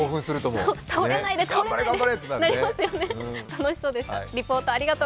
楽しそうでした。